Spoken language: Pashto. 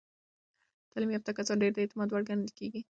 تعلیم یافته کسان ډیر د اعتماد وړ ګڼل کېږي.